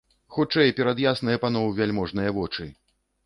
Хутчэй перад ясныя паноў вяльможныя вочы!